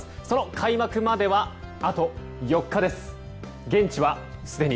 その開幕まではあと４日です。